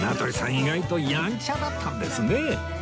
意外とやんちゃだったんですね